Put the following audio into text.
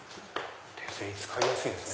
手すり使いやすいですね。